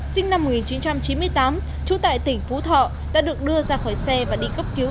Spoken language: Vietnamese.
sinh năm một nghìn chín trăm chín mươi tám trú tại tỉnh phú thọ đã được đưa ra khỏi xe và đi cấp cứu